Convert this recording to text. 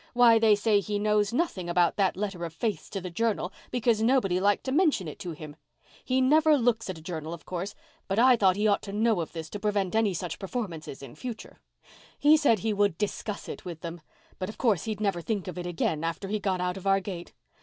Why, they say he knows nothing about that letter of Faith's to the journal because nobody liked to mention it to him. He never looks at a journal of course. But I thought he ought to know of this to prevent any such performances in future. He said he would 'discuss it with them.' But of course he'd never think of it again after he got out of our gate.